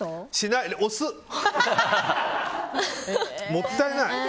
もったいない！